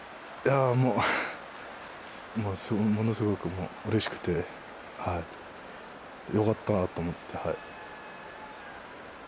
もう、ものすごくうれしくて、よかったと思ってて。